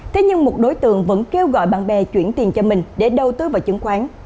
thế nhưng một đối tượng vẫn kêu gọi bạn bè chuyển tiền cho mình để đầu tư vào chứng khoán